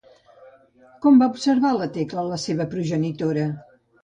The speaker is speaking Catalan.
Com va observar la Tecla la seva progenitora?